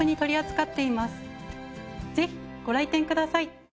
ぜひご来店ください。